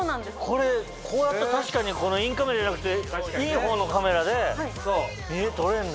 これこうやったら確かにこのインカメラじゃなくていいほうのカメラで撮れんだよ。